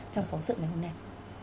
trong phóng sự ngày hôm nay